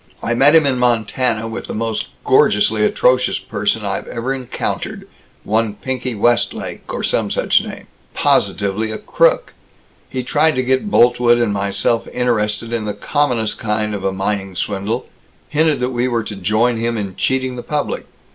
"I met him in Montana with the most gorgeously atrocious person I've ever encountered one Pinky Westlake, or some such a name positively, a crook! He tried to get Boltwood and myself interested in the commonest kind of a mining swindle hinted that we were to join him in cheating the public.